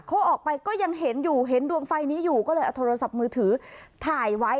เขาออกไปก็ยังเห็นอยู่เห็นดวงไฟนี้อยู่ก็เลยเอาโทรศัพท์มือถือถ่ายไว้